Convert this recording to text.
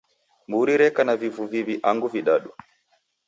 Mburi reka na vifu viw'i angu vidadu?